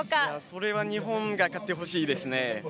それは、日本が勝ってほしいですね。